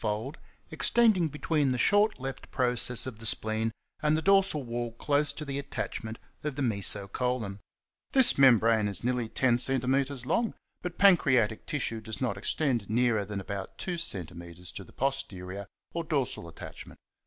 fold), extending between the short left process of the spleen and the dorsal wall close to the attachment of the meso colon. This membrane is nearly 10 cm. long, but pancreatic tissue does not extend nearer than about 2 cm. to the pos terior, or dorsal attachment.